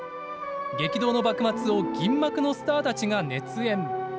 激動の幕末を銀幕のスターたちが熱演。